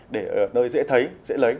để ở nơi dễ thấy dễ lấy